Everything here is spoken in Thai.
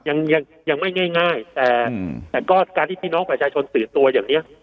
ยังยังไม่ง่ายแต่แต่ก็การที่พี่น้องประชาชนตื่นตัวอย่างเนี้ย